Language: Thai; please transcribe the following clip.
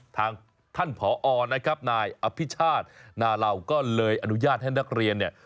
ทางท่านผอนะครับนายอภิชาตินาเหล่าก็เลยอนุญาตให้นักเรียนเนี่ย